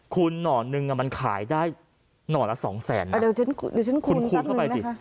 คุณหน่อนึงมันขายได้หน่อละสองแสนเดี๋ยวฉันคูณคูณเข้าไปสิ